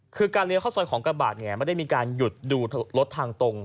คือการเลี้ยเข้าซอยของกระบาดเนี่ยไม่ได้มีการหยุดดูรถทางตรง